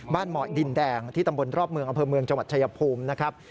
บ้านหมอดินแดงที่ตำบลรอบเมืองอเจมส์จชัยภูมินะครับ